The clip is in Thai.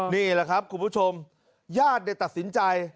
นี่แหละครับคุณผู้ชมญาติตัดสินใจ